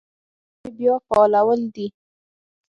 د مدني ټولنې بیا فعالول دي.